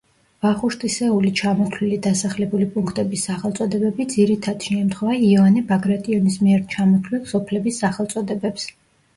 ვახუშტისეული ჩამოთვლილი დასახლებული პუნქტების სახელწოდებები ძირითადში ემთხვევა იოანე ბაგრატიონის მიერ ჩამოთვლილ სოფლების სახელწოდებებს.